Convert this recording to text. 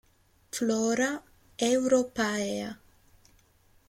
Flora Europaea